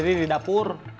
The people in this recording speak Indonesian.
bikin sendiri di dapur